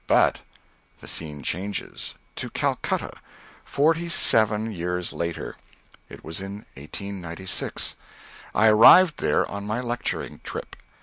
But The scene changes. To Calcutta forty seven years later. It was in 1896. I arrived there on my lecturing trip.